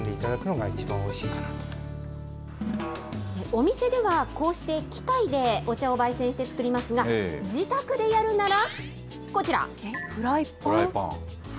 お店では、こうして機械でお茶をばい煎して作りますが、自宅でやるならこちフライパン？